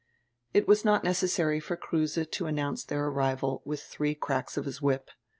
It was not necessary for Kruse to announce dieir arrival widi diree cracks of his whip.